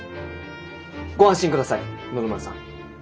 ご安心ください野々村さん。